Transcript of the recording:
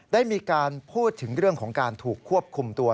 ได้มีการพูดถึงเรื่องของการถูกควบคุมตัว